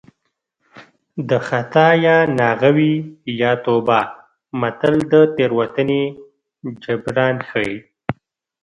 د خطا یا ناغه وي یا توبه متل د تېروتنې جبران ښيي